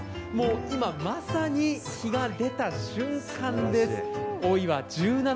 今、まさに日が出た瞬間です。